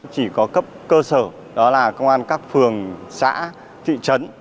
chỉ có cấp cơ sở đó là công an các phường xã thị trấn